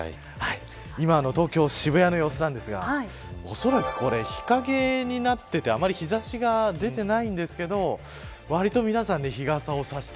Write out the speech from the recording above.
今、東京、渋谷の様子なんですがおそらくこれ日陰になっていてあまり日差しが出ていないんですけど曇りですか。